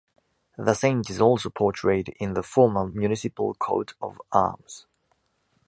The saint is also portrayed in the former municipal coat of arms.